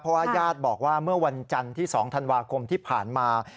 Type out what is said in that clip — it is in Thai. เพราะว่าญาติบอกว่าเมื่อวันจันทร์ที่๒ธันวาคมที่ผ่านมา